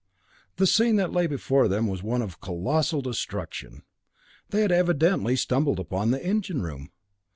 The scene that lay before them was one of colossal destruction. They had evidently stumbled upon the engine room.